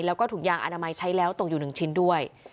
แล้วก็ถุงยางอนามัยใช้แล้วตกอยู่๑ชิ้นด้วย